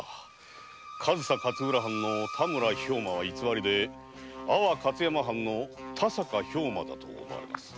上総勝浦藩の田村兵馬は偽りで安房勝山藩の田坂兵馬だと思われます。